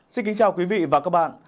xin kính chào quý vị và các bạn